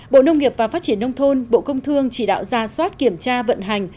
bộ nông nghiệp và phát triển nông thôn bộ công thương chỉ đạo ra soát kiểm tra vận hành